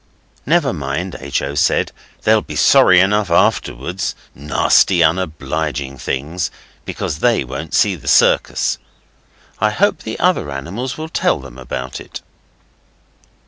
'Never mind,' H. O. said, 'they'll be sorry enough afterwards, nasty, unobliging things, because now they won't see the circus. I hope the other animals will tell them about it.